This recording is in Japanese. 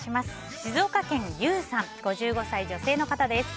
静岡県の５５歳女性の方です。